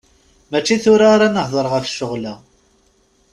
Mačči tura ara nehder ɣef ccɣel-a.